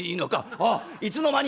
『あっいつの間に！